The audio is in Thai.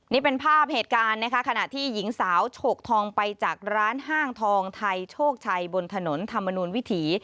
นี่เป็นภาพเหตุการณ์นะคะขณะที่หญิงสาวฉกทองไปจากร้านห้างทองไทยโชคชัยบนถนนธรรมนูลวิถี